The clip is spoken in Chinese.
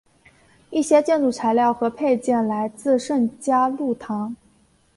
一些建筑材料和配件来自圣嘉禄堂。